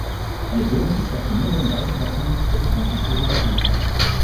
Wir würden die Stationierung weiterer Friedenstruppen in Ituri begrüßen.